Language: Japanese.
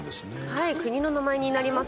はい、国の名前になります。